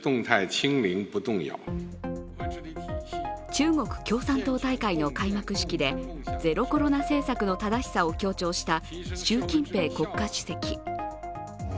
中国共産党大会の開幕式でゼロコロナ政策の正しさを強調した習近平国家主席。